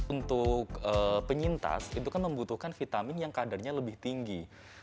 untuk penyintas itu kan membutuhkan vitamin yang kadarnya lebih tinggi